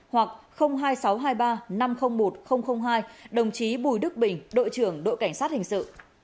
hoặc hai nghìn sáu trăm hai mươi ba năm trăm linh một hai đồng chí bùi đức bình đội trưởng đội cảnh sát hình sự